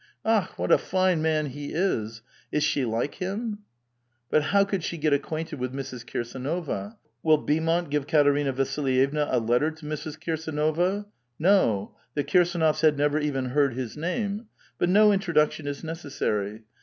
Akh! what a fine man he is ! Is she like him ?" But how could she get acquainted with Mrs. Kiinsdnova? Will Beaumont give Katerina Vasilyevna a letter to Mrs. Kii sAnova? No; the KirsAnofs had never even heard his name, but no introduction is necessary.